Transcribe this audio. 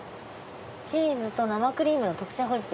チーズと生クリームの特製ホイップ。